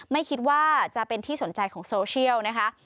ไม่คิดว่าจะเป็นที่สนใจของโซเชียลนะคะ